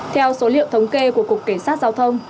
theo số liệu thống kê của cục kiểm soát giao thông